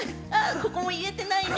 ここも言えてないね。